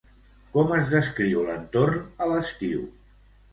Com es descriu l'entorn a l'estiu?